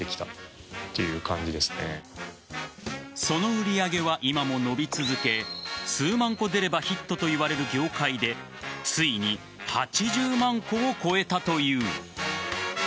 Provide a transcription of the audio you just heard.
その売り上げは今も伸び続け数万個出ればヒットといわれる業界でついに８０万個を超えたという。